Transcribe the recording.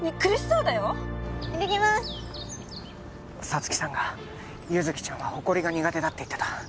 沙月さんが優月ちゃんはほこりが苦手だって言ってた